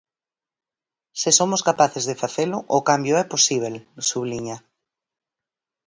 "Se somos capaces de facelo, o cambio é posíbel", subliña.